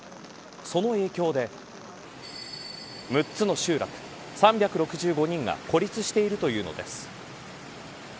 その影響で６つの集落３６５人が孤立しているというのです。